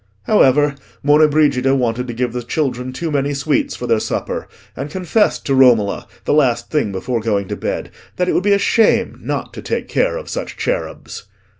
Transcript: However, Monna Brigida wanted to give the children too many sweets for their supper, and confessed to Romola, the last thing before going to bed, that it would be a shame not to take care of such cherubs.